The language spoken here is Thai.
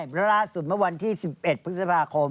โปรดติดตามตอนต่อไป